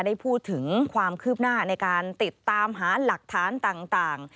ได้พูดถึงความคืบหน้าในการติดตามหาหลักฐานต่าง